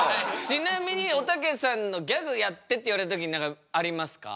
ちなみにおたけさんのギャグやってって言われた時に何かありますか？